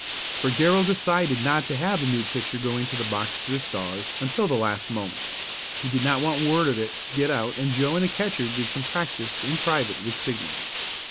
For Darrell decided not to have the new pitcher go into the box for the Stars until the last moment. He did not want word of it to get out, and Joe and the catcher did some practice in private with signals.